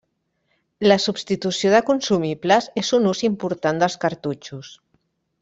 La substitució de consumibles és un ús important dels cartutxos.